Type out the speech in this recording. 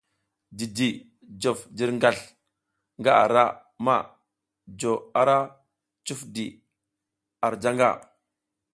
Jiji jof jirgasl nga ara ma jo ara cuf di ar janga.